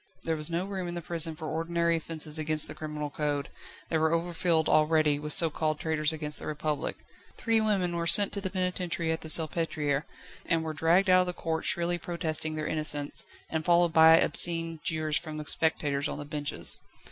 There was no room in the prison for ordinary offences against the criminal code; they were overfilled already with so called traitors against the Republic. Three women were sent to the penitentiary at the Salpêtriere, and were dragged out of the court shrilly protesting their innocence, and followed by obscene jeers from the spectators on the benches.